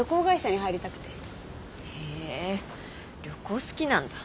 へえ旅行好きなんだ。